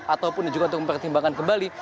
ataupun juga untuk mempertimbangkan kembali